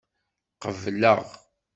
Qebleɣ.